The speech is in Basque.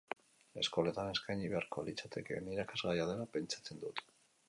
Eskoletan eskaini beharko litzatekeen irakasgaia dela pentsatzen dut.